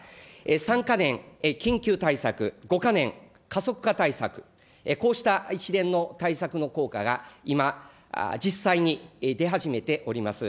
３か年緊急対策、５か年加速化対策、こうした一連の対策の効果が、今、実際に出始めております。